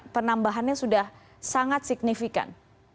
penambahannya sudah sangat signifikan